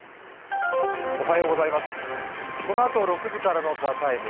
このあと６時からの「ＴＨＥＴＩＭＥ，」